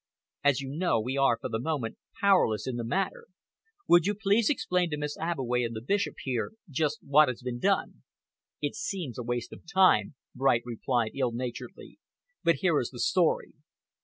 As you know, we are for the moment powerless in the matter. Will you please explain to Miss Abbeway and the Bishop here just what has been done?" "It seems a waste of time," Bright replied ill naturedly, "but here is the story.